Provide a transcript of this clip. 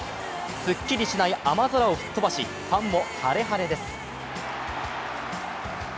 すっきりしない雨空を吹き飛ばし、ファンも晴れ晴れです